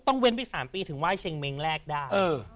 เว้นไป๓ปีถึงไห้เชงเม้งแรกได้